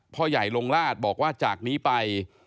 พ่อใหญ่ลงราชบอกว่าจากนี้ไป